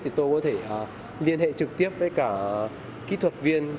thì tôi có thể liên hệ trực tiếp với cả kỹ thuật viên